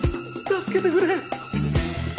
助けてくれ。